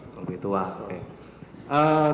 lebih tua oke